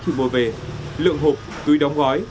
thử mua về lượng hộp cưới đóng gói